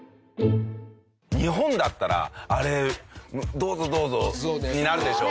日本だったらあれ「どうぞどうぞ」になるんでしょうね。